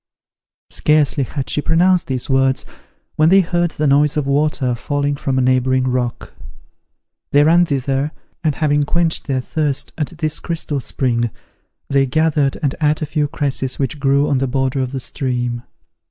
Scarcely had she pronounced these words when they heard the noise of water falling from a neighbouring rock. They ran thither and having quenched their thirst at this crystal spring, they gathered and ate a few cresses which grew on the border of the stream.